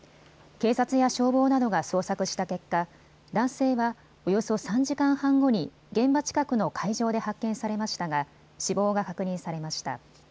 警察や消防などが捜索した結果、男性は、およそ３時間半後に現場近くの海上で発見されましたが死亡が確認されました。